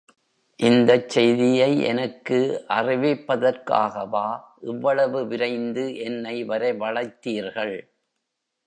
இந்தச் செய்தியை எனக்கு அறிவிப்பதற்காகவா இவ்வளவு விரைந்து என்னை வரவழைத்தீர்கள்?